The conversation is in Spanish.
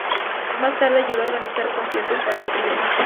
Más tarde ayudó a organizar conciertos para el trío.